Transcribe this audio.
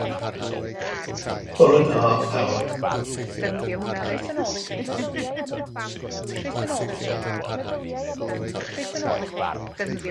Cyhoeddodd y ddau bapur newydd rifyn Dydd Sul ar y cyd.